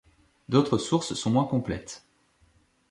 D'autres sources sont moins complètes.